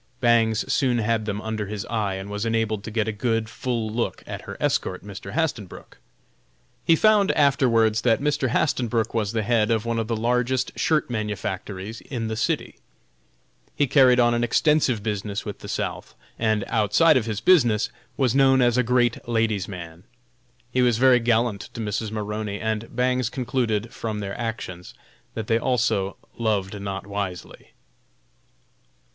Bangs soon had them under his eye and was enabled to get a good, full look at her escort, Mr. Hastenbrook. He found, afterwards, that Mr. Hastenbrook was the head of one of the largest shirt manufactories in the city. He carried on an extensive business with the South, and, outside of his business, was known as a great ladies' man. He was very gallant to Mrs. Maroney, and Bangs concluded, from their actions, that they also "loved not wisely."